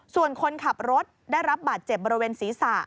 ส่วนคนขับรถได้รับบาดเจ็บบริเวณศีรษะ